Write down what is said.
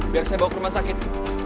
biar saya bawa ke rumah sakit